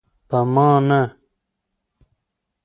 په ما نه.